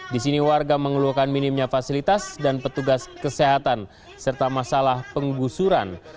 di sini warga mengeluarkan minimnya fasilitas dan petugas kesehatan serta masalah penggusuran